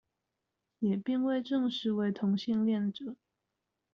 也並未證實為同性戀者